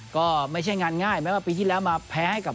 ก็ไม่ใช่งานง่ายแม้ว่าปีที่แล้วมาแพ้ให้กับ